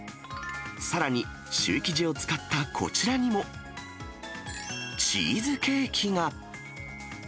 さらに、シュー生地を使ったこちらにも、チーズケーキが。